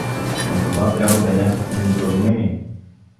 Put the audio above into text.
— Но това трябва да е някакво недоразумение!